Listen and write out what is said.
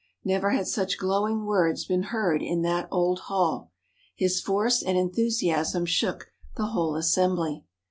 Never had such glowing words been heard in that old hall. His force and enthusiasm shook the whole Assembly.